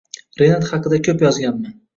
Rinat haqida ko‘p yozganman